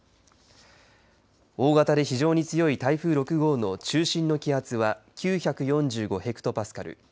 大型で非常に強い台風６号の中心の気圧は９４５ヘクトパスカル。